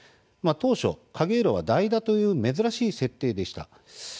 当初、景浦は代打という珍しい設定でした。